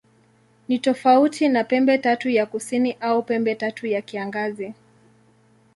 Ni tofauti na Pembetatu ya Kusini au Pembetatu ya Kiangazi.